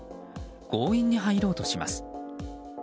強引に入ろうとします。